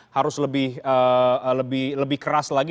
harus lebih keras lagi